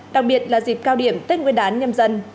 đặc biệt là dịp cao điểm tết nguyên đán nhâm dân